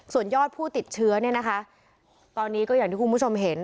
ส่วนยอดผู้ติดเชื้อเนี่ยนะคะตอนนี้ก็อย่างที่คุณผู้ชมเห็น